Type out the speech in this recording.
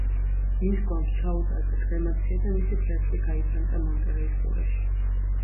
მისი გვამს ჩაუტარდა კრემაცია და მისი ფერფლი გაიფანტა მონტერეის ყურეში.